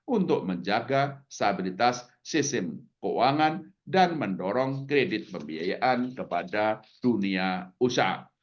untuk menjaga stabilitas sistem keuangan dan mendorong kredit pembiayaan kepada dunia usaha